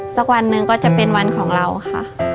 สักวันหนึ่งก็จะเป็นวันของเราค่ะ